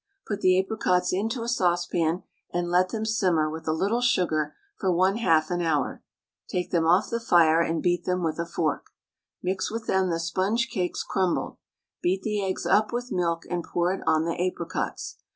Put the apricots into a saucepan, and let them simmer with a little sugar for 1/2 an hour; take them off the fire and beat them with a fork. Mix with them the sponge cakes crumbled. Beat the eggs up with milk and pour it on the apricots.